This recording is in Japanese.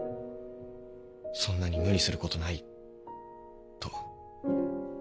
そんなに無理することないと。